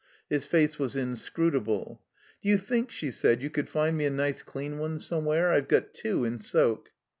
His face was inscrutable. "Do you think," she said, "you could find me a nice dean one somewhere? I've got two in soak."